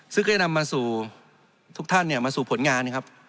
ซึ่งก็จะนำมาสู่ทุกท่านมาสู่ผลงานนะครับ